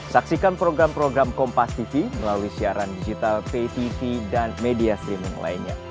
saksikan program program kompastv melalui siaran digital ptv dan media streaming lainnya